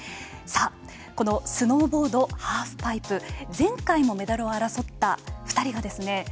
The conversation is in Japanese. さあこのスノーボード・ハーフパイプ前回もメダルを争った２人がですね